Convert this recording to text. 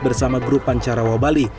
bersama grup pancarawa bali